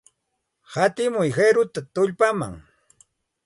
Hatimuy qiruta tullpaman.